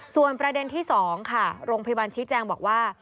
ส่วนประเด็นที่๒ค่ะโรงพยาบาลชี้แจงบอกว่า